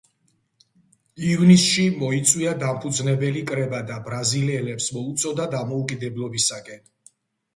ივნისში მოიწვია დამფუძნებელი კრება და ბრაზილიელებს მოუწოდა დამოუკიდებლობისაკენ.